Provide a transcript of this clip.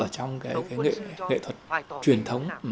trong nghệ thuật truyền thống